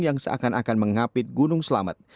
yang seakan akan menghapit gunung selamat